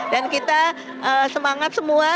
dan kita semangat semua